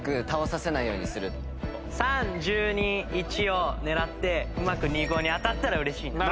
３・１２・１を狙ってうまく２・５に当たったら嬉しいな。